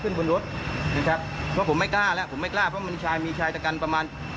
ขึ้นบนรถนะครับผมไม่กล้าแล้วผมไม่กล้าเพราะมันมีช่ายจัดการห์ประมาณ